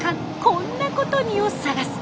こんなコトに」を探す